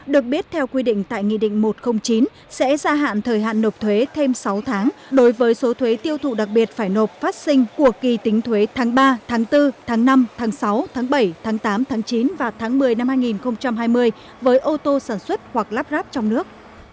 được biết theo quy định tại nghị định một trăm linh chín sẽ gia hạn thời hạn nộp thuế thêm sáu tháng đối với số thuế tiêu thụ đặc biệt phải nộp phát sinh của kỳ tính thuế tháng ba tháng bốn tháng năm tháng sáu tháng bảy tháng tám tháng chín và tháng một mươi năm hai nghìn hai mươi với ô tô sản xuất hoặc lắp ráp trong nước